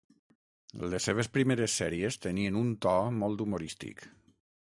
Les seves primeres sèries tenien un to molt humorístic.